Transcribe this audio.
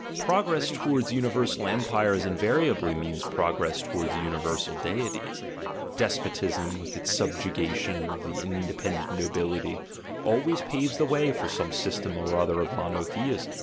Prog "GUILT" AND "BAD CONSCIENCE" 85 ress towards universal empires invariably means progress towards universal deities; despotism, with its subjugation of the independent nobility, always paves the way for some system or other of monotheism.)